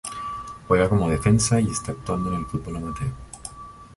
Juega como defensa y está actuando en el fútbol amateur.